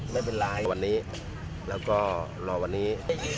ไม่เป็นไรวันนี้แล้วก็รอวันนี้